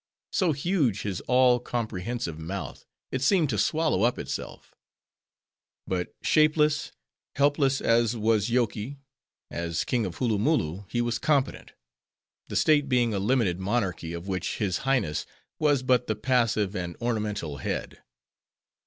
So huge his all comprehensive mouth, it seemed to swallow up itself. But shapeless, helpless as was Yoky,—as king of Hooloomooloo, he was competent; the state being a limited monarchy, of which his Highness was but the passive and ornamental head.